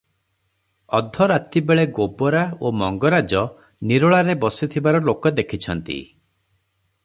ଅଧରାତିବେଳେ ଗୋବରା ଓ ମଙ୍ଗରାଜ ନିରୋଳାରେ ବସିଥିବାର ଲୋକ ଦେଖିଛନ୍ତି ।